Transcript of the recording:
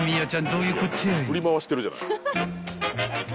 どういうこっちゃい］